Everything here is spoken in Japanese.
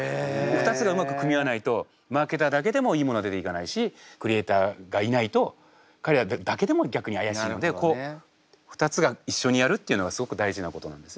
２つがうまく組み合わないとマーケターだけでもいいものが出ていかないしクリエーターがいないと彼らだけでも逆にあやしいのでこう２つがいっしょにやるっていうのがすごく大事なことなんです。